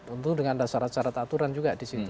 untuk dengan dasar dasaran aturan juga disitu